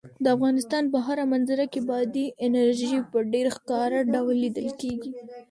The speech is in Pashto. د افغانستان په هره منظره کې بادي انرژي په ډېر ښکاره ډول لیدل کېږي.